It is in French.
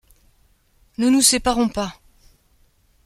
Ne nous séparons pas !